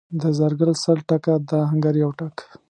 د زرګر سل ټکه، د اهنګر یو ټک.